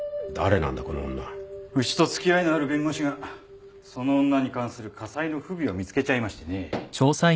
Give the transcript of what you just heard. うちと付き合いのある弁護士がその女に関する家裁の不備を見つけちゃいましてね。